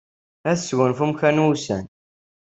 Ad tesgunfum kra n wussan.